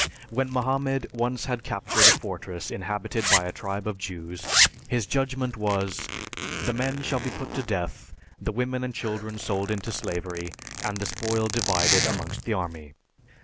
When Mohammed once had captured a fortress inhabited by a tribe of Jews, his judgment was, "The men shall be put to death, the women and children sold into slavery, and the spoil divided amongst the army."